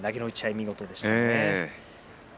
見事でしたね。